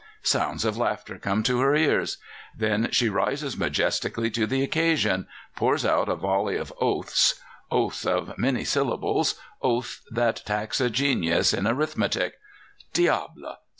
Sounds of laughter come to her ears; then she rises majestically to the occasion, pours out a volley of oaths oaths of many syllables, oaths that tax a genius in arithmetic: _diable!